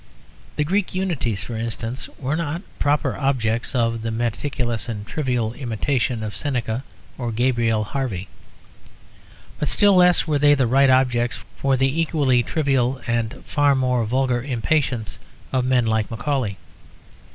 The Greek Unities, for instance, were not proper objects of the meticulous and trivial imitation of Seneca or Gabriel Harvey. But still less were they the right objects for the equally trivial and far more vulgar impatience of men like Macaulay.